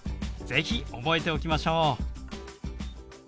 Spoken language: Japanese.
是非覚えておきましょう！